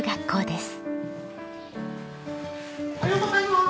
おはようございます。